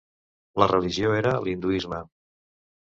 La religió era l'hinduisme.